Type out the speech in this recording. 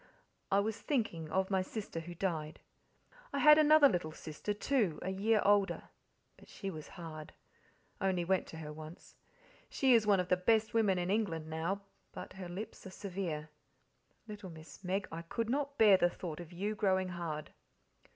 I was thinking, of my sister who died. I had another little sister, too, a year older, but she was hard only event to her once. She is one of the best women in England now, but her lips are severe. Little Miss Meg, I could not bear the thought of you growing hard."